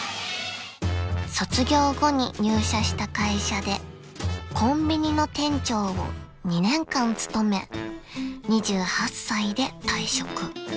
［卒業後に入社した会社でコンビニの店長を２年間務め２８歳で退職］